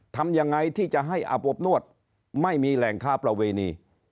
ทำยังไงที่จะให้อาบอบนวดไม่มีแหล่งค้าประเวณี